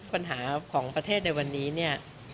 ปัญหาของประเทศในวันนี้เนี่ย